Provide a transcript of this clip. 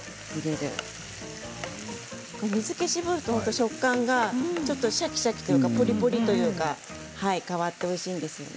水けを絞ると食感がシャキシャキというかプリプリというか変わっておいしいんですよね。